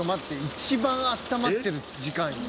一番あったまってる時間よ。